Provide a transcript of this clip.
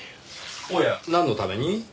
おやなんのために？